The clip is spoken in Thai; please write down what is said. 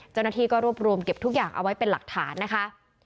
เจ้าหน้าที่ก็รวบรวมเก็บทุกอย่างเอาไว้เป็นหลักฐานนะคะ